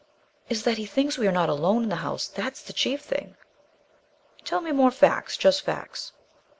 " is that he thinks we are not alone in the house. That's the chief thing." "Tell me more facts just facts."